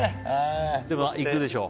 でも、いくでしょう。